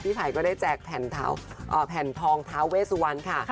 ไผ่ก็ได้แจกแผ่นทองท้าเวสวันค่ะ